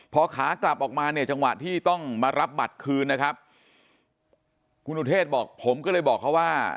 พอขากลับออกมาเนี่ยจังหวะที่ต้องมารับบัตรคืนนะครับคุณอุเทศบอกผมก็เลยบอกเขาว่า